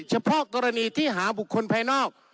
เฉพาะกรณีที่หาบุคคลภายนอก